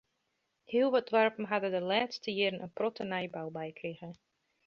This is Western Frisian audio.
Hiel wat doarpen ha der de lêste jierren in protte nijbou by krige.